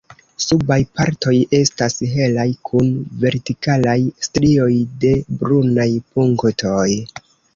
Subaj partoj estas helaj kun vertikalaj strioj de brunaj punktoj.